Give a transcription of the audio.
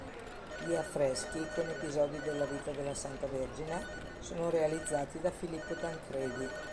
Gli affreschi, con episodi della vita della "Santa Vergine", sono realizzati da Filippo Tancredi.